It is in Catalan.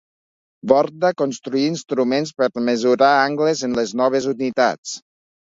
Borda construí instruments per mesurar angles en les noves unitats.